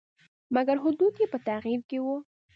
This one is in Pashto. مګر حدود یې په تغییر کې وو.